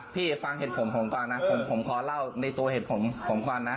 พี่ฟังเหตุผลผมก่อนนะผมขอเล่าในตัวเหตุผลของก่อนนะ